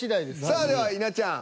さあでは稲ちゃん。